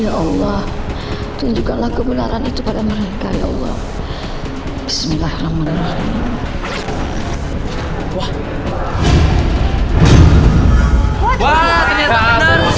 ya allah tunjukkanlah kebenaran itu pada mereka ya allah bismillahirrahmanirrahim